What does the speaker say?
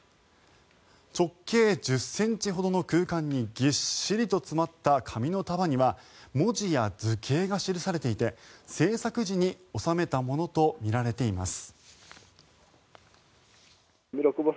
直径１０ｃｍほどの空間にぎっしりと詰まった紙の束には文字や図形が記されていて制作時に納めたものとみられています。